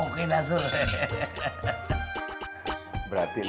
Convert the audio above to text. oke bener bang